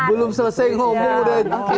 belum selesai ngomong udah